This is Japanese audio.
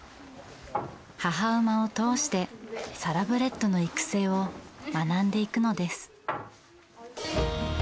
母馬を通してサラブレッドの育成を学んでいくのです。